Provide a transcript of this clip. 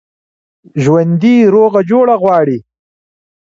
ژوندي روغه جوړه غواړي